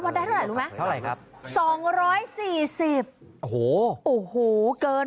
ได้เท่าไหร่รู้ไหมเท่าไหร่ครับสองร้อยสี่สิบโอ้โหโอ้โหเกิน